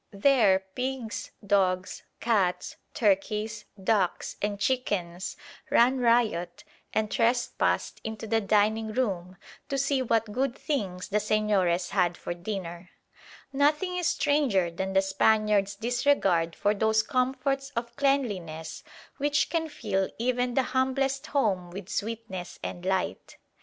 There pigs, dogs, cats, turkeys, ducks, and chickens ran riot and trespassed into the dining room to see what good things the Señores had for dinner. Nothing is stranger than the Spaniard's disregard for those comforts of cleanliness which can fill even the humblest home with "sweetness and light."